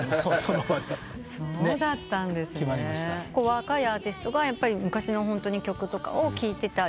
若いアーティストがやっぱり昔の曲とかを聴いてた。